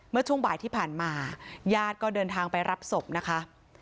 เมื่อช่วงบ่ายที่ผ่านมาญาติก็เดินทางไปรับศพนะคะ